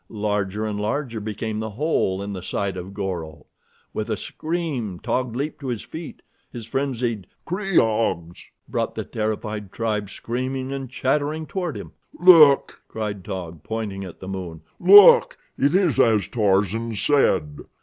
Larger and larger became the hole in the side of Goro. With a scream, Taug leaped to his feet. His frenzied "Kreeg ahs!" brought the terrified tribe screaming and chattering toward him. "Look!" cried Taug, pointing at the moon. "Look! It is as Tarzan said.